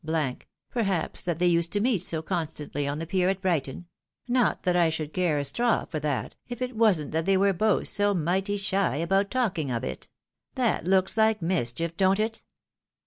■, perhaps that they used to meet so constantly on the pier at Brighton — not that I should care a straw for that, if it wasn't that they were both so mighty shy about talking of it. That looks like mischief, don't it?""